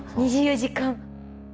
２４時間。